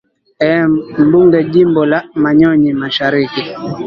ee mbunge jimbo la manyonyi mashariki